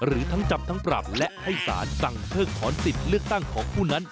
หรือทั้งจำทั้งปรับและให้สารสั่งเพิกถอนสิทธิ์เลือกตั้งของผู้นั้น